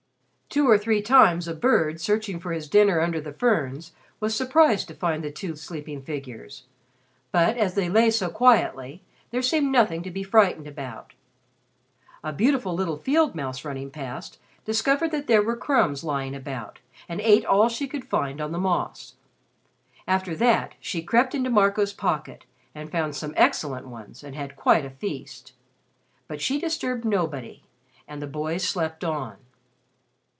Two or three times a bird, searching for his dinner under the ferns, was surprised to find the two sleeping figures, but, as they lay so quietly, there seemed nothing to be frightened about. A beautiful little field mouse running past discovered that there were crumbs lying about and ate all she could find on the moss. After that she crept into Marco's pocket and found some excellent ones and had quite a feast. But she disturbed nobody and the boys slept on.